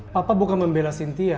papa bukan membela sintia